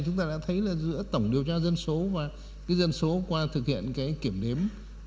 chúng ta đã thấy là giữa tổng điều tra dân số và cái dân số qua thực hiện cái kiểm đếm